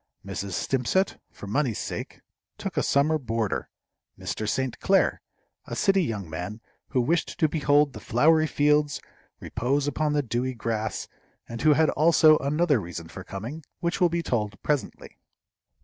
Mrs. Stimpcett, for money's sake, took a summer boarder, Mr. St. Clair, a city young man, who wished to behold the flowery fields, repose upon the dewy grass, and who had also another reason for coming, which will be told presently.